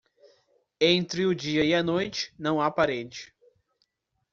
Entre o dia e a noite, não há parede.